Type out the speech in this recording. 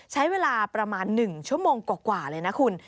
ใช้เวลาประมาณ๑ชั่วโมงกว่าเลยนะคุณ